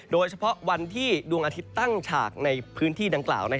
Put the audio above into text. โดยเฉพาะวันที่ดวงอาทิตย์ตั้งฉากในพื้นที่ดังกล่าว